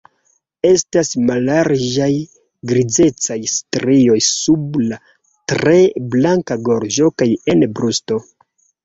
Estas mallarĝaj grizecaj strioj sub la tre blanka gorĝo kaj en brusto.